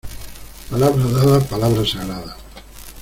Palabra dada, palabra sagrada.